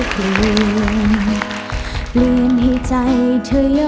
ฟาร์ท